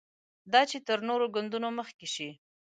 دا چې تر نورو ګوندونو مخکې شي.